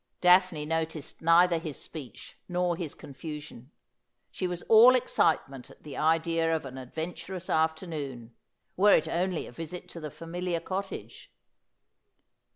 Daphne noticed neither his speech nor his confusion. She was all excitement at the idea of an adventurous afternoon, were it only a visit to the familiar cottage.